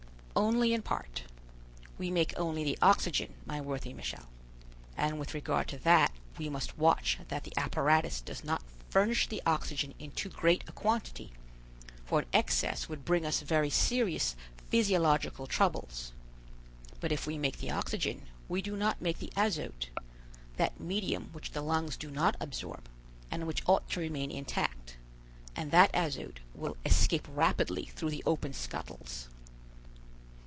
"Only in part. We make only the oxygen, my worthy Michel; and with regard to that, we must watch that the apparatus does not furnish the oxygen in too great a quantity; for an excess would bring us very serious physiological troubles. But if we make the oxygen, we do not make the azote, that medium which the lungs do not absorb, and which ought to remain intact; and that azote will escape rapidly through the open scuttles."